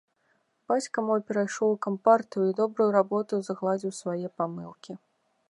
Бацька мой перайшоў у кампартыю і добраю работаю загладзіў свае памылкі.